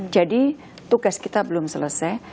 jadi tugas kita belum selesai